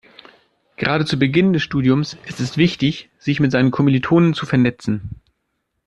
Gerade zu Beginn des Studiums ist es wichtig, sich mit seinen Kommilitonen zu vernetzen.